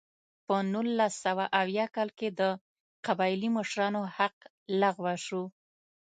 په نولس سوه اویا کال کې د قبایلي مشرانو حق لغوه شو.